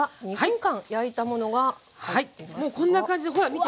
もうこんな感じでほら見て。